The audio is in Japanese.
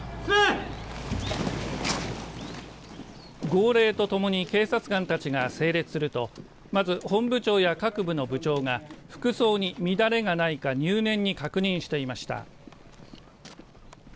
号令ともに警察官たちが整列すると本部長や各部の部長が服装に乱れがないか入念に確認していました。